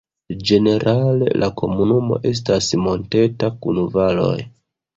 Ĝenerale la komunumo estas monteta kun valoj.